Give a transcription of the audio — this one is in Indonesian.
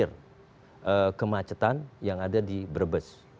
mengadakan pengenir kemacetan yang ada di berbes